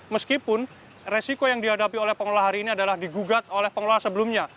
meskipun resiko yang dihadapi oleh pengelola hari ini adalah digugat oleh pengelola sebelumnya